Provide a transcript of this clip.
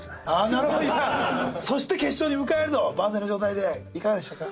なるほどそして決勝に向かえると万全の状態でいかがでしたか？